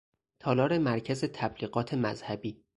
تالار مرکز تبلیغات مذهبی